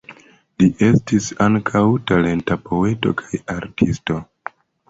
Li estis ankaŭ talenta poeto kaj artisto.